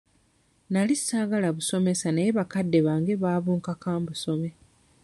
Nali saagala busomesa naye bakadde bange baabunkaka okubusoma.